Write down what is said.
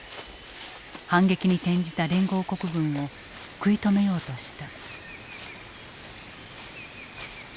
反撃に転じた連合国軍を食い止めようとした。